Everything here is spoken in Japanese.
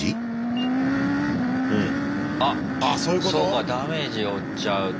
あっそうかダメージを負っちゃうと。